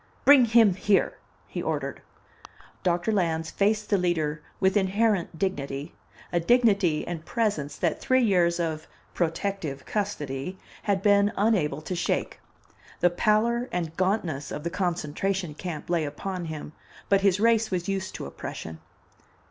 "Bring him here!" he ordered. DOCTOR LANS FACED THE LEADER with inherent dignity, a dignity and presence that three years of "protective custody" had been unable to shake. The pallor and gauntness of the concentration camp lay upon him, but his race was used to oppression.